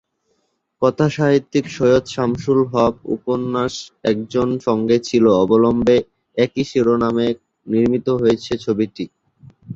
কথাসাহিত্যিক সৈয়দ শামসুল হকের উপন্যাস 'একজন সঙ্গে ছিল' অবলম্বনে একই শিরোনামে নির্মিত হয়েছে ছবিটি।